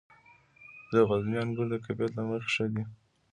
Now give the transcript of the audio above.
د غزني انګور د کیفیت له مخې ښه دي.